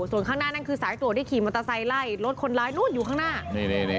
ส่วนข้างหน้านั่นคือสายตรวจที่ขี่มอเตอร์ไซค์ไล่รถคนร้ายนู้นอยู่ข้างหน้า